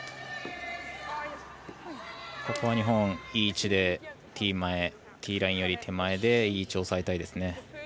日本、いい位置でティーラインより手前でいい位置押さえたいですね。